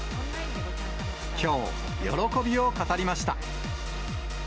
きょう、喜びを語りました。